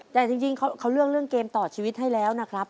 แต่จริงเขาเลือกเรื่องเกมต่อชีวิตให้แล้วนะครับ